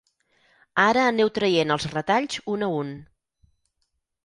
Ara aneu traient els retalls un a un.